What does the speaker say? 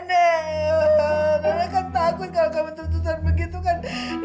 nek aku takut kalau kamu tersesat begitu kan